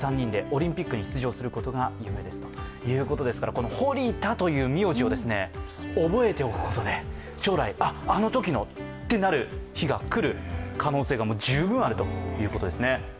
この堀田という名字を覚えておくことで将来「あのときの」ってなる可能性が十分あるということですね。